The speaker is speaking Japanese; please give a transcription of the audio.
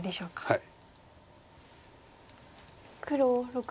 はい。